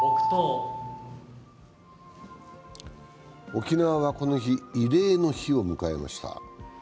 沖縄はこの日、慰霊の日を迎えました。